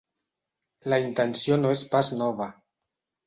La intenció no és pas nova.